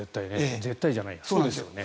絶対じゃない、そうですよね。